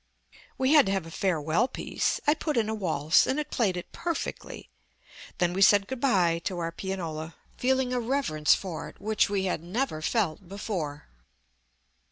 We had to have a farewell piece. I put in a waltz, and it played it perfectly. Then we said good bye to our pianola, feeling a reverence for it which we had never felt before.